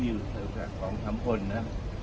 มีอยู่ในศัตรูกรักของทั้งคนนะ